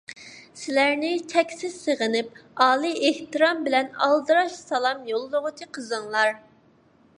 سىلەرنى چەكسىز سېغىنىپ، ئالىي ئېھتىرام بىلەن ئالدىراش سالام يوللىغۇچى: قىزىڭلار.